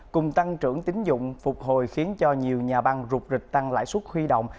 cùng tăng trưởng tín dụng phục hồi khiến cho nhiều nhà băng rụt rịch tăng lãi suất huy động